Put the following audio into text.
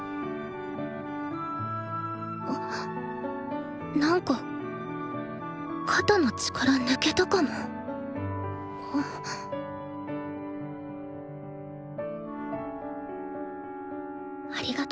あなんか肩の力抜けたかもありがと。